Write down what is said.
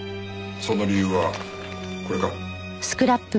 その理由はこれか？